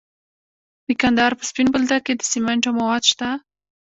د کندهار په سپین بولدک کې د سمنټو مواد شته.